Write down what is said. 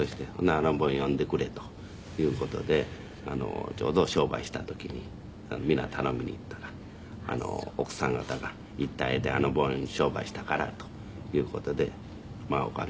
「あのぼん呼んでくれ」という事でちょうど商売した時にみんな頼みに行ったら奥さん方が「行ってあげてあのぼん商売したから」という事でおかげで。